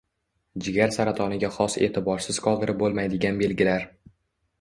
Jigar saratoniga xos e’tiborsiz qoldirib bo‘lmaydigan belgilar